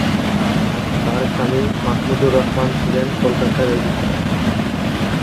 তার স্বামী, মাহমুদুর রহমান ছিলেন কলকাতার রেজিস্ট্রার।